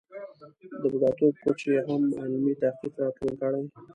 د بوډاتوب کوچ یې هم علمي تحقیق را ټول کړی.